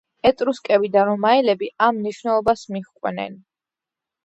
ეტრუსკები და რომაელები ამ მნიშვნელობას მიჰყვნენ.